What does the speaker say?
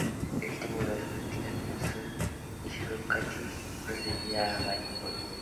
El último modelo era prácticamente un Hispano-Suiza, y solo el chasis procedía de Ballot.